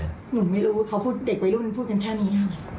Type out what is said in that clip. หนูไม่รู้เขาพูดเด็กวัยรุ่นพูดกันแค่นี้ค่ะ